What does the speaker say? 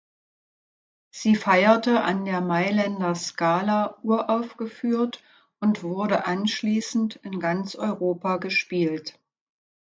Sie feierte an der Mailänder Scala uraufgeführt und wurde anschließend in ganz Europa gespielt.